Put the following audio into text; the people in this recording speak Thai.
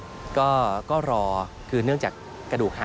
พบหน้าลูกแบบเป็นร่างไร้วิญญาณ